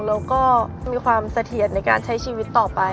แล้วก็มีความเสถียรในการใช้ชีวิตต่อไป